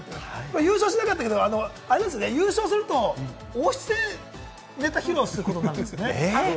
優勝しなかったけれども、あれですね、優勝すると王室でネタ披露することになってるんですよね。